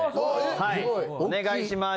はいお願いします。